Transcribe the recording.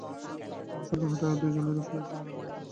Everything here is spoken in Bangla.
এখন সন্দেহটা দুজনের উপর যায়, আর্নি আর বব।